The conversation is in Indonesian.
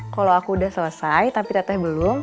kalau aku udah selesai tapi teteh belum